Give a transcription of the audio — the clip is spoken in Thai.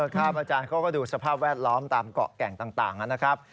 อาจารย์เขาก็ดูสภาพแวดล้อมตามเกาะแก่งต่างนะครับ